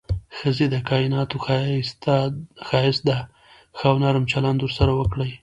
ښځې د کائناتو ښايست ده، ښه او نرم چلند ورسره وکړئ.